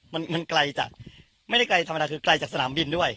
มันมันไกลจากไม่ได้ไกลธรรมดาคือไกลจากสนามบินด้วย